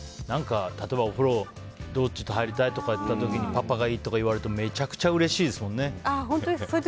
例えば、お風呂どっちと入りたいとかの時にパパがいいとか言われたらめちゃくちゃうれしいですもんね。